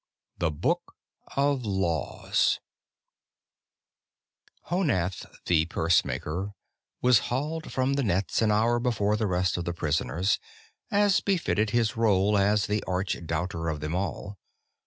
_ THE BOOK OF LAWS Honath the Pursemaker was hauled from the nets an hour before the rest of the prisoners, as befitted his role as the arch doubter of them all.